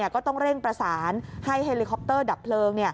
ก็ต้องเร่งประสานให้เฮลิคอปเตอร์ดับเพลิง